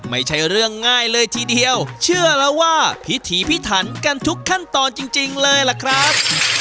ไม่ใช่เรื่องง่ายเลยทีเดียวเชื่อแล้วว่าพิถีพิถันกันทุกขั้นตอนจริงเลยล่ะครับ